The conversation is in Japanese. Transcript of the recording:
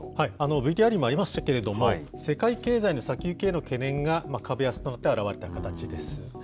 ＶＴＲにもありましたけれども、世界経済の先行きへの懸念が株安によって表れた形です。